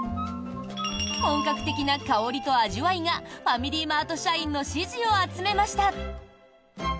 本格的な香りと味わいがファミリーマート社員の支持を集めました。